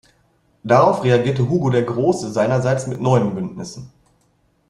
Darauf reagierte Hugo der Große seinerseits mit neuen Bündnissen.